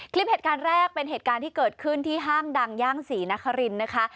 คลิปเหตุการณ์แรกเป็นเหตุการณ์ที่เกิดขึ้นที่ห้างดังย่างศรีนครินนะคะ